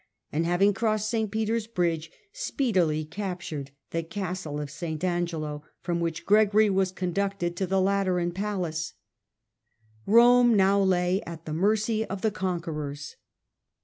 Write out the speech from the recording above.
and, having crossed St. Peter's bridge, speedily captured the castle of St. Angelo, from which Gregory was conducted to the Lateran palace, Rome now lay at the mercy of the conquerors.